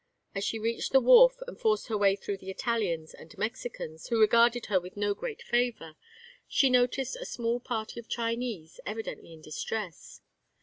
As she reached the wharf and forced her way through the Italians and Mexicans, who regarded her with no great favor, she noticed a small party of Chinese evidently in distress.